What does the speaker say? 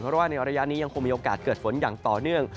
เพราะว่าในระยะนี้ยังคงมีโอกาสเกิดฝนอย่างต่อเนื่อง